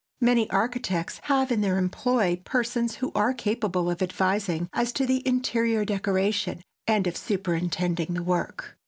Many architects have in their employ persons who are capable of advising as to interior decoration and of superintending the work.